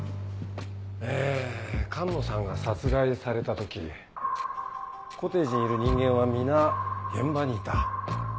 え寒野さんが殺害された時コテージにいる人間は皆現場にいた。